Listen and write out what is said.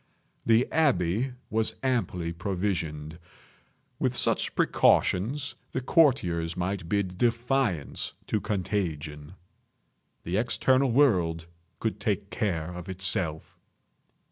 The abbey was amply provisioned. With such precautions the courtiers might bid defiance to contagion. The external world could take care of itself.